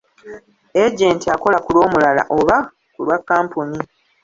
Agenti akola ku lw'omulala oba ku lwa kkampuni.